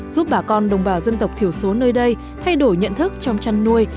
giúp bà con đồng bào dân tộc thiểu số nơi đây thay đổi nhận thức trong chăn nuôi